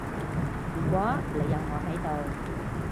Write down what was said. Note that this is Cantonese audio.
如果你有我喺度